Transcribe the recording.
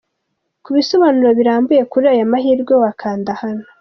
Ku bisobanuro birambuye kuri aya mahirwe wakanda hano